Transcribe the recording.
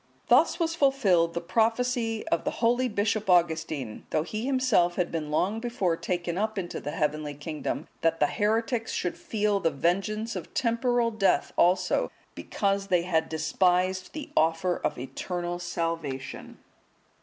Thus was fulfilled the prophecy of the holy Bishop Augustine, though he himself had been long before taken up into the heavenly kingdom, that the heretics should feel the vengeance of temporal death also, because they had despised the offer of eternal salvation.